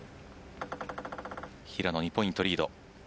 平野２ポイントリード。